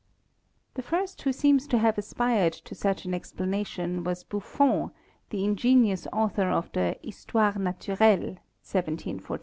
The first who seems to have aspired to such an explana tion was BurTon, the ingenious author of the "Histoire Naturelle" (1745).